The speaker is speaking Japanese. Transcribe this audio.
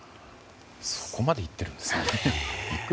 そこまでいってるんですね